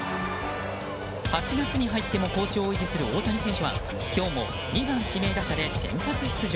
８月に入っても好調を維持する大谷選手は今日も２番指名打者で先発出場。